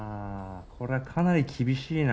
これはかなり厳しいな。